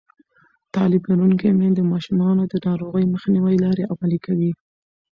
تعلیم لرونکې میندې د ماشومانو د ناروغۍ مخنیوي لارې عملي کوي.